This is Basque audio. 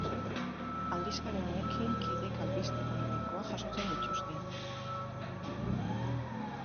Aldizkari honekin kideek albiste ekonomikoak jasotzen dituzte.